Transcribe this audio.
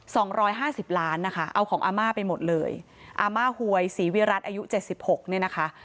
สองร้อยห้าสิบล้านนะคะเอาของอาม่าไปหมดเลยอาม่าหวยศรีวิรัติอายุเจ็ดสิบหกเนี่ยนะคะ